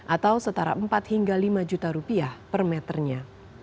atau setara empat hingga lima juta rupiah per meternya